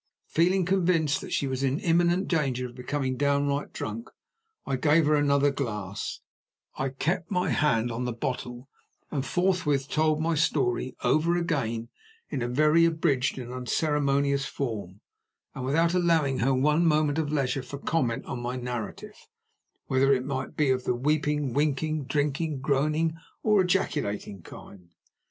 Feeling convinced that she was in imminent danger of becoming downright drunk if I gave her another glass, I kept my hand on the bottle, and forthwith told my story over again in a very abridged and unceremonious form, and without allowing her one moment of leisure for comment on my narrative, whether it might be of the weeping, winking, drinking, groaning, or ejaculating kind.